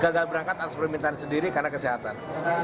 gagal berangkat harus permintaan sendiri karena kesehatan